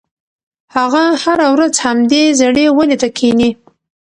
هغه هره ورځ همدې زړې ونې ته کښېني.